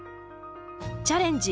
「チャレンジ！